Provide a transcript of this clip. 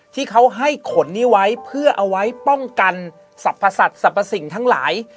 ที่เขาให้ขนนี้ไว้เพื่อเอาไว้ป้องกันสรรพสัตว์สรรพสิ่งทั้งหลาย